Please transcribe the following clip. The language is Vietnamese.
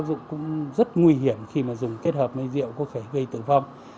đều được ngụy trang bằng các loại ma túy mới